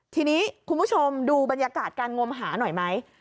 ทีนี้คุณผู้ชมดูบรรยากาศการงมหาหน่อยไหม